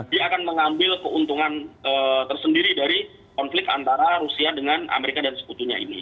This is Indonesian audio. dia akan mengambil keuntungan tersendiri dari konflik antara rusia dengan amerika dan sekutunya ini